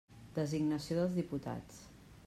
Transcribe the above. Designació dels diputats.